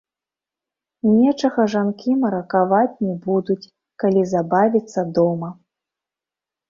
Нечага жанкі маракаваць не будуць, калі забавіцца дома.